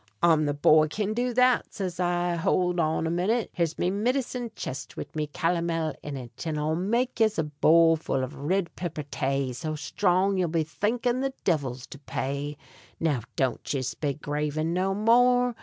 "I'm the boy can do that," says I; "hould on a minit, Here's me midicine chist wid me calomel in it, And I'll make yez a bowle full av rid pipper tay So shtrong ye'll be thinkin' the divil's to pay," Now don't yez be gravin' no more!